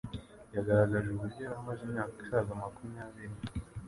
yagaragaje uburyo yari amaze imyaka isaga makumyabiri